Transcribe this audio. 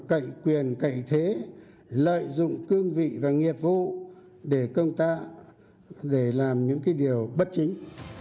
cậy quyền cậy thế lợi dụng cương vị và nghiệp vụ để công tác để làm những cái điều bất chính